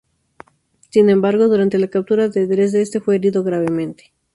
Sin embargo, durante la captura de Dresde este fue herido gravemente.